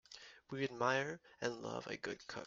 We admire and love a good cook.